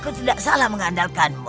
aku tidak salah mengandalkanmu